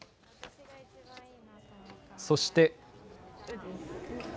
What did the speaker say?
そして。